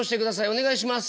お願いします。